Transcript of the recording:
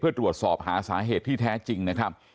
เพื่อตรวจสอบหาสาเหตุที่แท้จริงนะครับ